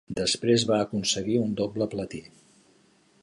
Després va aconseguir un doble platí.